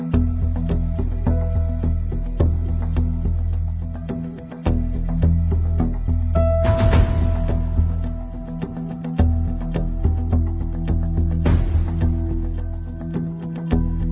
รอดตายรถเก่ง